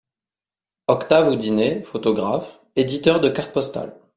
Octave Oudinet, photographe, éditeur de cartes postales.